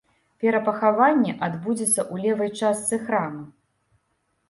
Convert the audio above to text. Перапахаванне адбудзецца ў левай частцы храма.